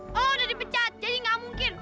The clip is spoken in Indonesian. lo udah dipecat jadi gak mungkin